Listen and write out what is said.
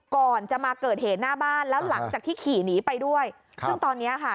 ก่อนจะมาเกิดเหตุหน้าบ้านแล้วหลังจากที่ขี่หนีไปด้วยซึ่งตอนเนี้ยค่ะ